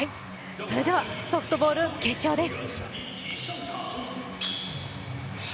それではソフトボール決勝です。